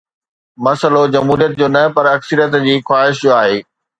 مسئلو جمهوريت جو نه پر اڪثريت جي خواهش جو آهي.